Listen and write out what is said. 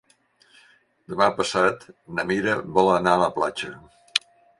Demà passat na Mira vol anar a la platja.